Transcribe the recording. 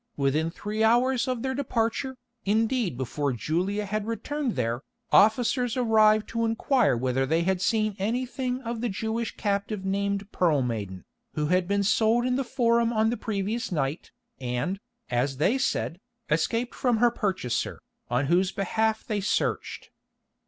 Within three hours of their departure, indeed before Julia had returned there, officers arrived to inquire whether they had seen anything of the Jewish captive named Pearl Maiden, who had been sold in the Forum on the previous night, and, as they said, escaped from her purchaser, on whose behalf they searched.